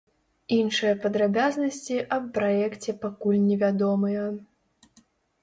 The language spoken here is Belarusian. Іншыя падрабязнасці аб праекце пакуль невядомыя.